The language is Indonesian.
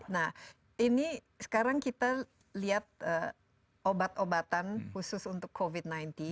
nah ini sekarang kita lihat obat obatan khusus untuk covid sembilan belas